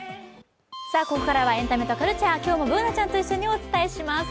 ここからは「エンタメとカルチャー」今日もＢｏｏｎａちゃんと一緒にお伝えします。